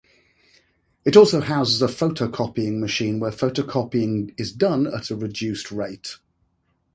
It also houses a photocopying machine where photocopying is done at a reduced rate.